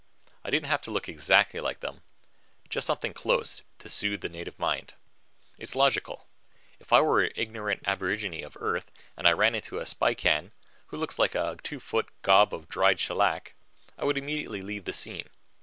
I didn't have to look exactly like them, just something close, to soothe the native mind. It's logical. If I were an ignorant aborigine of Earth and I ran into a Spican, who looks like a two foot gob of dried shellac, I would immediately leave the scene.